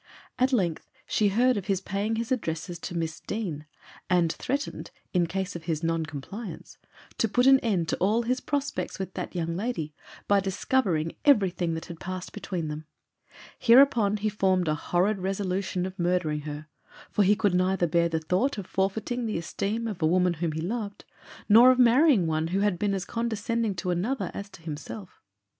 At length she heard of his paying his addresses to Miss Dean, and threatened, in case of his non compliance, to put an end to all his prospects with that young lady, by discovering everything that had passed between them. Hereupon he formed a horrid resolution of murdering her, for he could neither bear the thought of forfeiting the esteem of a woman who he loved, nor of marrying one who had been as condescending to another as to himself.